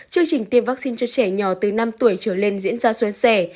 chương trình tiêm vaccine cho trẻ nhỏ từ năm tuổi trở lên diễn ra xuân sẻ